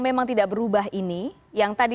memang tidak berubah ini yang tadi